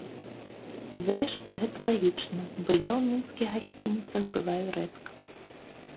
Зрэшты, гэта лагічна, бо я ў мінскіх гасцініцах бываю рэдка.